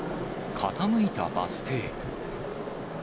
傾いたバス停。